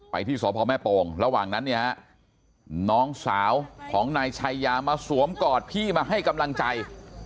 ที่สพแม่โป่งระหว่างนั้นเนี่ยฮะน้องสาวของนายชัยยามาสวมกอดพี่มาให้กำลังใจ